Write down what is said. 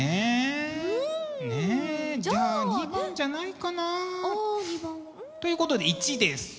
ねえじゃあ２番じゃないかな。ということで１です。